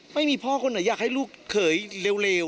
ไม่มีพ่อคนอยากให้ลูกเขยเร็วหรอก